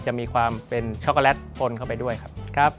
จะมีความเป็นช็อกโกแลตปนเข้าไปด้วยครับ